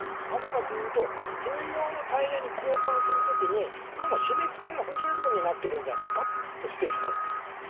なぜかというと冬用のタイヤに交換する時に何か締め付けが不十分になっているんじゃないかと指摘されている。